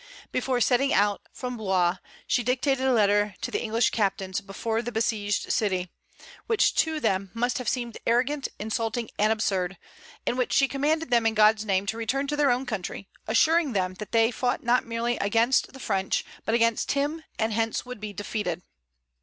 Before setting out from Blois she dictated a letter to the English captains before the besieged city, which to them must have seemed arrogant, insulting, and absurd, in which she commanded them in God's name to return to their own country, assuring them that they fought not merely against the French, but against Him, and hence would be defeated.